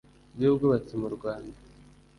by ubwubatsi mu Rwanda